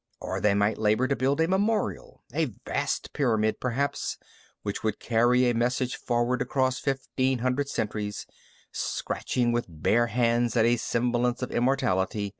Or they might labor to build a memorial, a vast pyramid, perhaps, which would carry a message forward across fifteen hundred centuries, snatching with bare hands at a semblance of immortality.